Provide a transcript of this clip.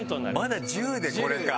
まだ１０でこれか。